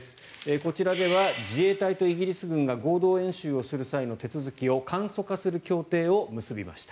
こちらでは自衛隊とイギリス軍が合同演習をする際の手続きを簡素化する協定を結びました。